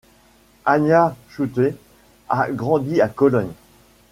Anja Schüte a grandi à Cologne.